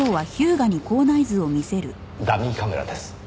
ダミーカメラです。